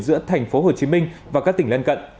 giữa thành phố hồ chí minh và các tỉnh lân cận